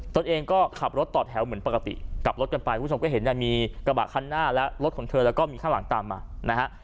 ตัวเองก็ขับรถต่อแถวเหมือนปกติกลับรถกันไปคุณผู้ชมก็เห็นเนี่ยมีกระบะคันหน้าและรถของเธอแล้วก็มีข้างหลังตามมานะฮะ